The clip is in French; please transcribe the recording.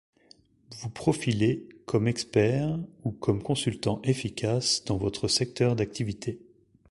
Vous profiler comme expert ou comme consultant efficace dans votre secteur d’activités.